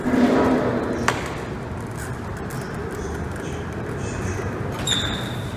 পরিবহন সংকট, যানজট—এসব কারণে শহরের প্রতিটি মানুষ ক্ষতিগ্রস্ত হচ্ছে, এমনকি শিশুরাও।